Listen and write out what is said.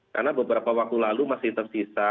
karena beberapa waktu lalu masih tersisa